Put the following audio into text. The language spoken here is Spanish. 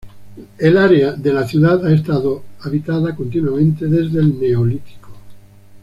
El área de la ciudad ha estado habitada continuamente desde el Neolítico.